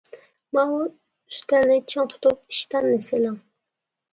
ماۋۇ ئۈستەلنى چىڭ تۇتۇپ ئىشتاننى سىلىڭ!